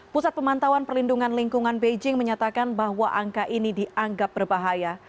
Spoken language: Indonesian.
pusat pemantauan perlindungan lingkungan beijing menyatakan bahwa angka ini dianggap berbahaya